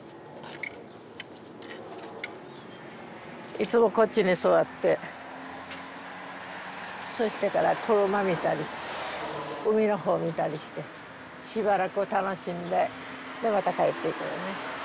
いつもこっちに座ってそしてから車見たり海の方を見たりしてしばらく楽しんででまた帰っていくのね。